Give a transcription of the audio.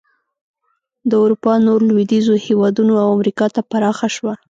د اروپا نورو لوېدیځو هېوادونو او امریکا ته پراخه شوه.